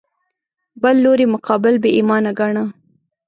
بل لوري مقابل بې ایمانه ګاڼه